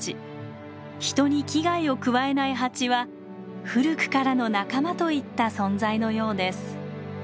人に危害を加えないハチは古くからの仲間といった存在のようです。